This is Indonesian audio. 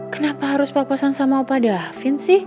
kenapa harus papasan sama opa davin sih